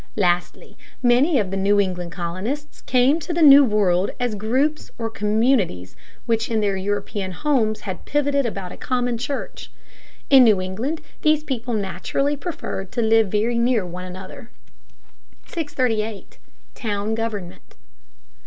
Lastly, many of the New England colonists came to the New World as groups or communities which in their European homes had pivoted about a common church; in New England these people naturally preferred to live very near one another. 638. TOWN GOVERNMENT.